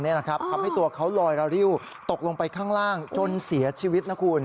ทำให้ตัวเขาลอยระริ้วตกลงไปข้างล่างจนเสียชีวิตนะคุณ